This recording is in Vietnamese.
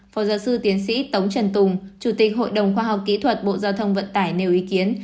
phó giáo sư tiến sĩ tống trần tùng chủ tịch hội đồng khoa học kỹ thuật bộ giao thông vận tải nêu ý kiến